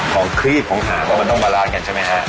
ของครีฟของห่าว่ามันต้องบาร์ราชิตกันใช่ไหมฮะ